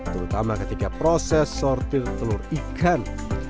terutama ketika proses sortir telur ikan